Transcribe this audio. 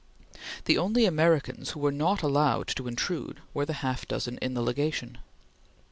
The only Americans who were not allowed to intrude were the half dozen in the Legation.